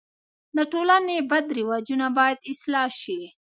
د ټولني بد رواجونه باید اصلاح سي.